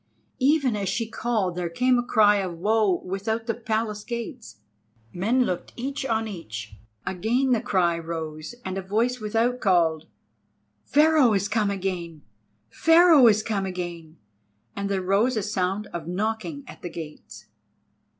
Even as she called there came a cry of woe without the Palace gates. Men looked each on each. Again the cry rose and a voice without called, "Pharaoh is come again! Pharaoh is come again!" and there rose a sound of knocking at the gates.